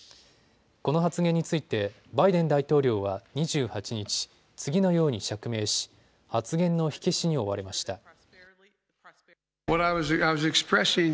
この発言についてバイデン大統領は２８日、次のように釈明し発言の火消しに追われました。